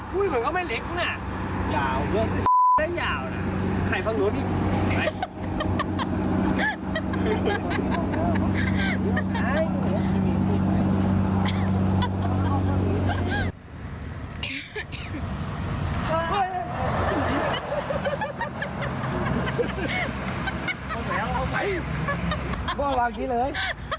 ดูคลิปนี้เลย